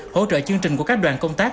hỗ trợ chương trình của các đoàn công tác